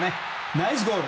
ナイスゴール！